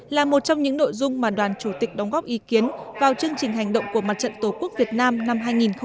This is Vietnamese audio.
là một trong những nội dung mà đoàn chủ tịch đóng góp ý kiến vào chương trình hành động của mặt trận tổ quốc việt nam năm hai nghìn một mươi chín